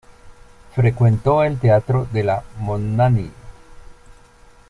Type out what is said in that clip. Frecuentó el Teatro de la Monnaie.